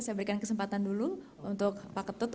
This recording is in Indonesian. saya berikan kesempatan dulu untuk pak ketut